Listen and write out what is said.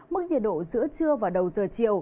mức nhiệt độ giữa trưa và đầu giờ chiều